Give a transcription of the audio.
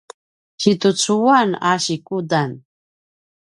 situcuan a sikudan